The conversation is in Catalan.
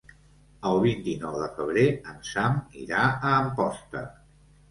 El vint-i-nou de febrer en Sam irà a Amposta.